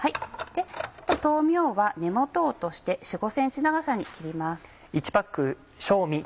豆苗は根元を落として４５ｃｍ長さに切ります。